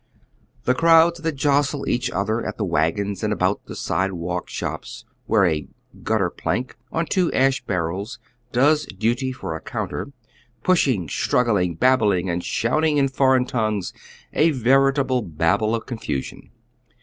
The crowds tliat jostle each other at the wagons and about the sidewalk shops, "where a gutter plank on two asli barrels does duty for a counter ! Pushing, struggling, babbling, and shouting in foreign tongues, a veritable Babel of confusion.